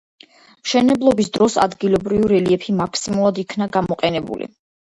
მშენებლობის დროს ადგილობრივი რელიეფი მაქსიმალურად იქნა გამოყენებული.